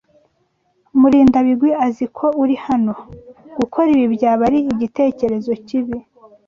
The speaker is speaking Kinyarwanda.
Murindabigwi azi ko uri hano? Gukora ibi byaba ari igitekerezo kibi.